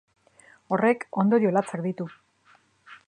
Horrek ondorio latzak ditu.